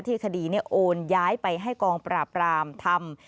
คดีโอนย้ายไปให้กองปราบรามทำ